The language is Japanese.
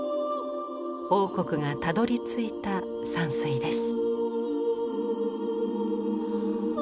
櫻谷がたどりついた山水です。